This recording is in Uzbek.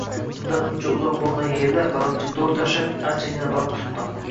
Undan uncha uzoq bõlmagan yerda baliqchi tõr tashlab, anchagina baliq tutdi